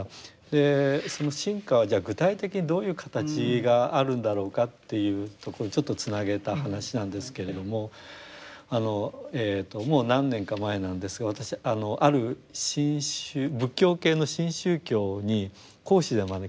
その深化はじゃあ具体的にどういう形があるんだろうかっていうところにちょっとつなげた話なんですけれどもえともう何年か前なんですが私ある仏教系の新宗教に講師で招かれた。